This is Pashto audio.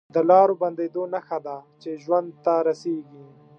د لارو بندېدو نښه ده چې ژوند ته رسېږي